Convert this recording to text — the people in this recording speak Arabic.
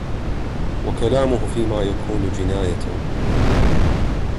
وَكَلَامُهُ فِيمَا يَكُونُ جِنَايَةً